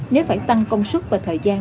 nếu phải tăng công suất và thời gian